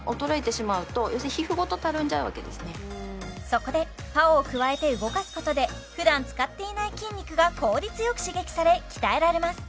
そこでＰＡＯをくわえて動かすことでふだん使っていない筋肉が効率よく刺激され鍛えられます